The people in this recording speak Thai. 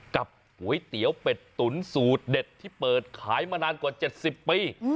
ก๋วยเตี๋ยวเป็ดตุ๋นสูตรเด็ดที่เปิดขายมานานกว่า๗๐ปี